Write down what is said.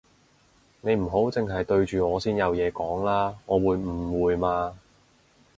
你唔好剩係對住我先有嘢講啦，我會誤會嘛